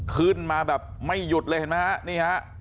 ขึ้นมาแบบไม่หยุดเลยเห็นไหมฮะนี่ฮะ